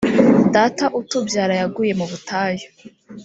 data utubyara yaguye mu butayu.